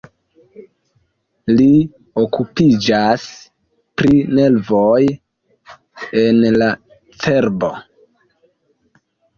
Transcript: Li okupiĝas pri nervoj en la cerbo.